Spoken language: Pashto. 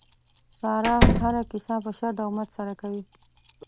ساره هره کیسه په شد او مد سره کوي.